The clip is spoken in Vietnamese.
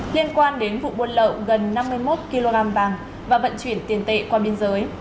liên quan đến vụ buôn lậu gần năm mươi một kg vàng và vận chuyển tiền tệ qua biên giới